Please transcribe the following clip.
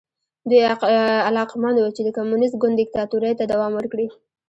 دوی علاقمند وو چې د کمونېست ګوند دیکتاتورۍ ته دوام ورکړي.